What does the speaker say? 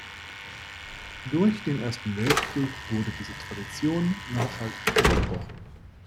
Durch den Ersten Weltkrieg wurde diese Tradition nachhaltig unterbrochen.